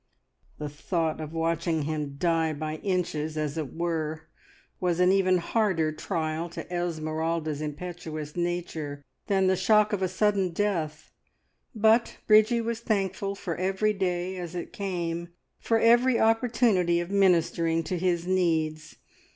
The thought of watching him die by inches, as it were, was an even harder trial to Esmeralda's impetuous nature than the shock of a sudden death, but Bridgie was thankful for every day as it came, for every opportunity of ministering to his needs.